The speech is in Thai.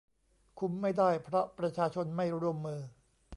คุมไม่ได้ เพราะประชาชนไม่ร่วมมือ